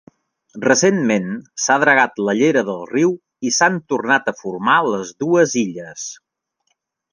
Recentment s'ha dragat la llera del riu i s'han tornat a formar les dues illes.